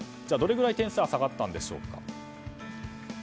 どれぐらい点数が下がったんでしょうか。